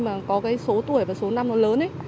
mà có cái số tuổi và số năm nó lớn ấy